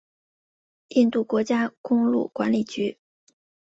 印度国家公路管理局。